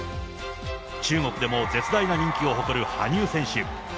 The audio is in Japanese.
中国でも絶大な人気を誇る羽生選手。